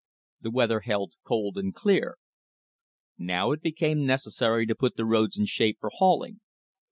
The weather held cold and clear. Now it became necessary to put the roads in shape for hauling.